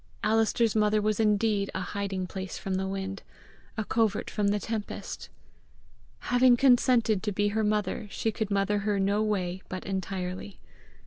Alister's mother was indeed a hiding place from the wind, a covert from the tempest! Having consented to be her mother, she could mother her no way but entirely.